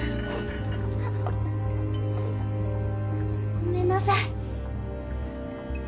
ごめんなさい。